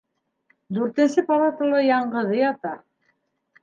- Дүртенсе палатала яңғыҙы ята.